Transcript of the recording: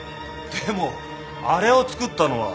でもあれを造ったのは。